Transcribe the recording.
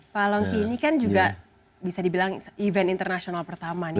pak longki ini kan juga bisa dibilang event internasional pertama nih